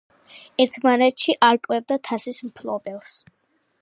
ერთმანეთში არკვევდა თასის მფლობელს.